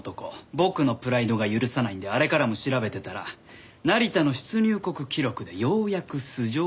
僕のプライドが許さないんであれからも調べてたら成田の出入国記録でようやく素性がわかったんですよ。